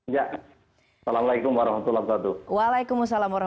ya assalamualaikum wr wb